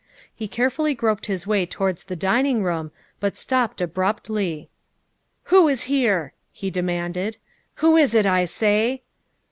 He carefully groped his way towards the dining room, but stopped abruptly. " Who is here?" he demanded. " Who is it, I say?"